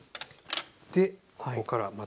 でここからまた。